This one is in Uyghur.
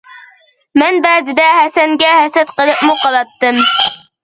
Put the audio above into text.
مەن بەزىدە ھەسەنگە ھەسەت قىلىپمۇ قالاتتىم.